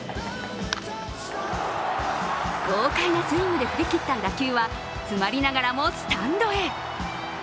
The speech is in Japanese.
豪快なスイングで振り切った打球は詰まりながらもスタンドへ。